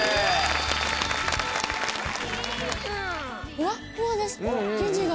ふわっふわです生地が。